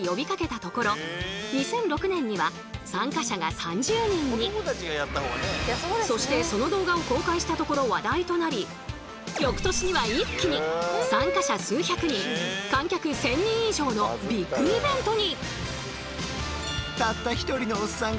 その後そしてその動画を公開したところ話題となり翌年には一気に参加者数百人観客１，０００人以上のビッグイベントに！